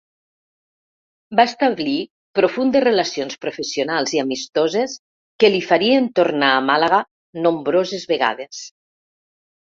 Va establir profundes relacions professionals i amistoses que li farien tornar a Màlaga nombroses vegades.